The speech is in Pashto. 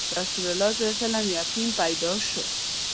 رسول الله ﷺ یتیم پیدا شو.